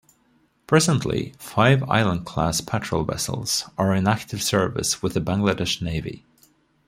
Presently, five Island-class patrol vessels are in active service with the Bangladesh Navy.